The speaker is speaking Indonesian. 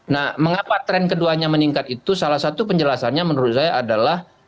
nah mengapa tren keduanya meningkat itu salah satu penjelasannya menurut saya adalah